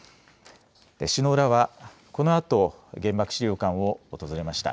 首脳らはこのあと原爆資料館を訪れました。